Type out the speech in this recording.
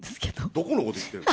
どこのこと言ってるの？